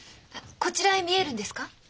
こちらへ見えるんですか？